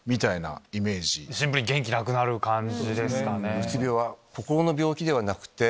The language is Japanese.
うつ病は。